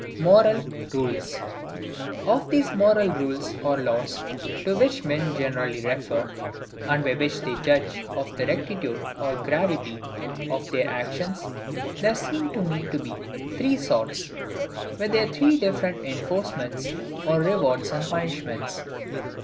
Moral Rules. Of these moral rules or laws, to which men generally refer, and by which they judge of the rectitude or gravity of their actions, there seem to me to be THREE SORTS, with their three different enforcements, or rewards and punishments.